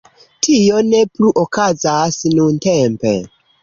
Tio ne plu okazas nuntempe.